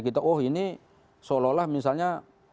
kita oh ini seolah olah misalnya